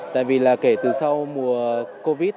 tại vì là kể từ sau mùa covid